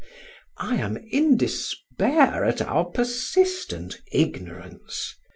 I am in despair at our persistent ignorance.